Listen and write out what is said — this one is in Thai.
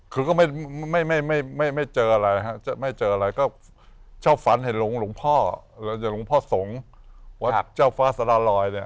คือก็ไม่เจออะไรไม่เจออะไรก็เจ้าฝันเห็นหลวงพ่อหลวงพ่อสงศ์วัดเจ้าฟ้าสระลอย